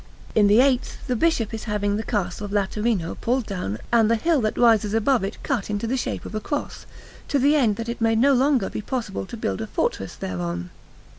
In the eighth the Bishop is having the Castle of Laterino pulled down and the hill that rises above it cut into the shape of a cross, to the end that it may no longer be possible to build a fortress thereon.